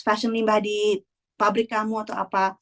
fashim limbah di pabrik kamu atau apa